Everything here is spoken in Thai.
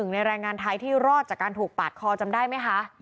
ในแรงงานไทยที่รอดจากการถูกปาดคอจำได้ไหมคะ